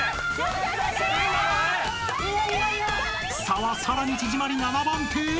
［差はさらに縮まり７番手へ］